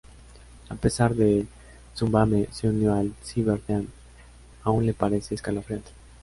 A pesar que Tsubame se unió al Cyber Team, aun le parece escalofriante.